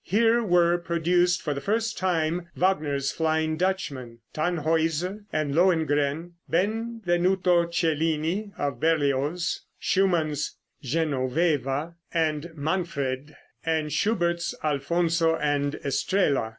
Here were produced for the first time Wagner's "Flying Dutchman," "Tannhäuser," and "Lohengrin," "Benvenuto Cellini," of Berlioz, Schumann's "Genoveva" and "Mannfred," and Schubert's "Alfonso and Estrella."